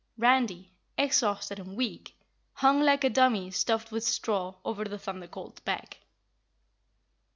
Randy, exhausted and weak, hung like a dummy stuffed with straw over the Thunder Colt's back.